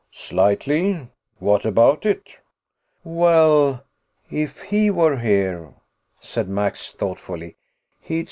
"Slightly. What about it?" "Well ... if he were here," said Max thoughtfully, "he'd